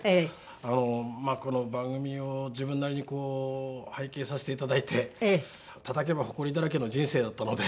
あのこの番組を自分なりに拝見させていただいてたたけばほこりだらけの人生だったので。